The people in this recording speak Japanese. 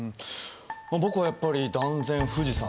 僕はやっぱり断然富士山ですね。